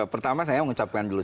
pertama saya mengucapkan dulu